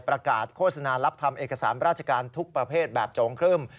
ประกาศโฆษณารับทำเอกสารราชการทุกประเภทแบบโจงครึ่ม